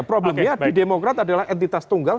problemnya di demokrat adalah entitas tunggal